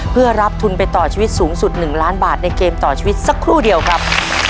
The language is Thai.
เพื่อรับทุนไปต่อชีวิตสูงสุด๑ล้านบาทในเกมต่อชีวิตสักครู่เดียวครับ